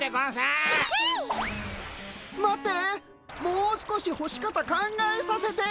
もう少しほし方考えさせて。